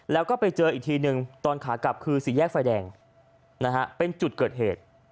แล้วก็ไปเจออีกทีนึงตอนขากลับคือสี่แยกไฟแดงนะฮะเป็นจุดเกิดเหตุ